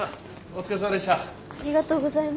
お疲れさまでした。